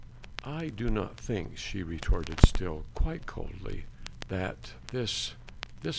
"I do not think," she retorted still quite coldly, "that this ... this